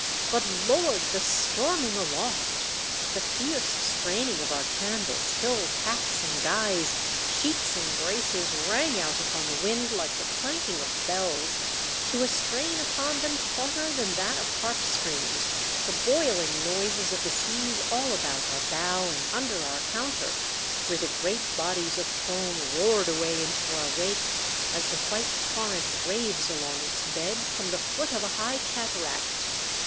But, Lord! — the storming aloft! — the fierce straining of our canvas till tacks and guys, sheets and braces rang out upon the wind like the clanking of bells, to a strain upon them tauter than that of harp strings ; the boiling noises of the seas all about our bow and under our counter, where the great bodies of foam roared away into our wake, as the white torrent raves along its bed from the foot of a high cataract